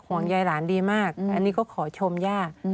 ยายหลานดีมากอันนี้ก็ขอชมย่า